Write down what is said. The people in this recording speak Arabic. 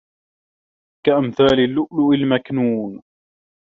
كَأَمثالِ اللُّؤلُؤِ المَكنونِ